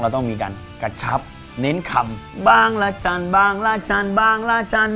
ต้องมีการกระชับเน้นคำบ้างละจันทร์บางละจันทร์บางละจันทร์